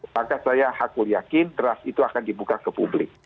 maka saya hakul yakin draft itu akan dibuka ke publik